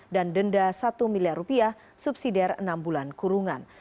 dan denda satu miliar rupiah subsidiar enam bulan kurungan